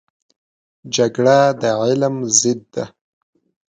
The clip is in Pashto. جګړه د علم ضد دی